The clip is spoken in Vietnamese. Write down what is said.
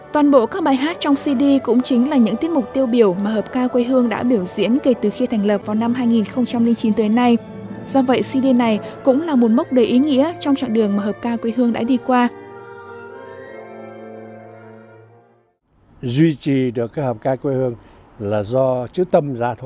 toàn bộ các bài hát trong cd cũng chính là những tiết mục tiêu biểu mà hợp ca quê hương đã biểu diễn kể từ khi thành lập vào năm hai nghìn chín tới nay do vậy cd này cũng là một mốc đầy ý nghĩa trong trạng đường mà hợp ca quê hương đã đi qua